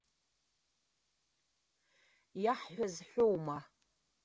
Иаҳҳәаз ҳәоума?